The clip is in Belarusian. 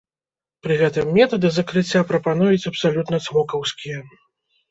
Пры гэтым метады закрыцця прапануюць абсалютна цмокаўскія.